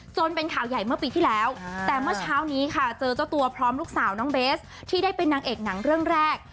เป็นข่าวใหญ่เมื่อปีที่แล้วแต่เมื่อเช้านี้ค่ะเจอเจ้าตัวพร้อมลูกสาวน้องเบสที่ได้เป็นนางเอกหนังเรื่องแรก